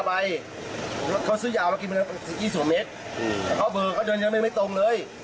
แต่แม่นั้นว่านั้นแค่นี้เฉยเนี่ย